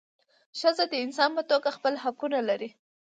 ښځه د انسان په توګه خپل حقونه لري.